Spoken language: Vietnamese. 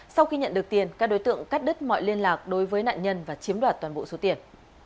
sau khi nhận được tiền các đối tượng cắt đứt mọi liên lạc đối với nạn nhân và chiếm đoạt toàn bộ số tiền